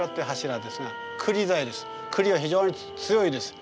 クリは非常に強いです。